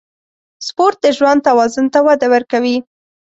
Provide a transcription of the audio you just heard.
سپورت د ژوند توازن ته وده ورکوي.